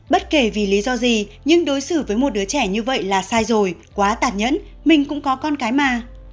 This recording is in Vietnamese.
bất kể vì lý do gì nhưng đối xử với một đứa trẻ như vậy là sai rồi quá tạp nhẫn mình cũng có con cái mà